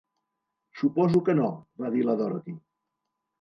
""Suposo que no", va dir la Dorothy."